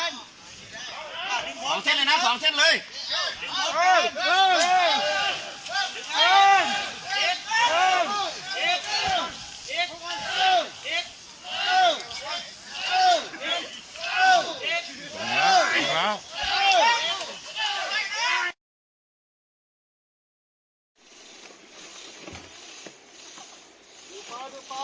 โน้ท